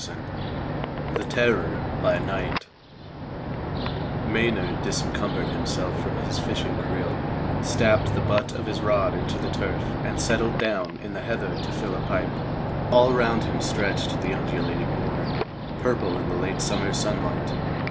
VIII THE TERROR BY NIGHT Maynard disincumbered himself from his fishing creel, stabbed the butt of his rod into the turf, and settled down in the heather to fill a pipe. All round him stretched the undulating moor, purple in the late summer sunlight.